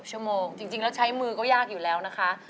จริงแล้วใช้มือก็ยากอยู่แล้วนะคะ